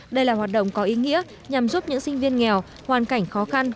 đây là hoạt động có ý nghĩa nhằm giúp những sinh viên nghèo hoàn cảnh khó khăn